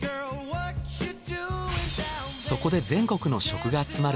そこで全国の食が集まる